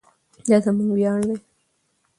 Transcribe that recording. دا زموږ ویاړ دی.